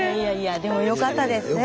でもよかったですね。